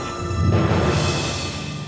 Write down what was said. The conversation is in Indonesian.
aku akan menjaga diri kamu